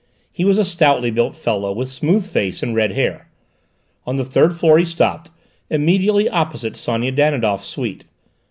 He was a stoutly built fellow, with a smooth face and red hair. On the third floor he stopped, immediately opposite Sonia Danidoff's suite.